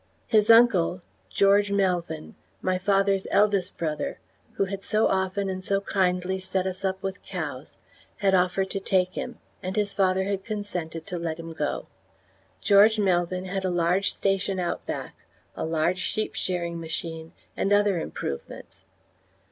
His uncle, George Melvyn, his father's eldest brother, who had so often and so kindly set us up with cows, had offered to take him, and his father had consented to let him go. George Melvyn had a large station outback, a large sheep shearing machine, and other improvements.